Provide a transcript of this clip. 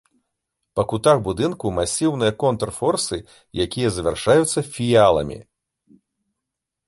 Па кутах будынку масіўныя контрфорсы, якія завяршаюцца фіяламі.